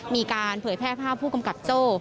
มีการเผยแพร่ภาพผู้กำกัดโจ้